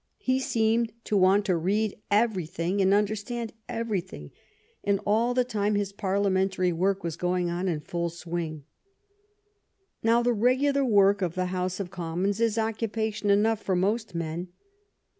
He seemed to want to read everything and understand every thing, and all the time his Parliamentary work was going on in full swing. Now, the regular work of the House of Commons is occupation enough for most men.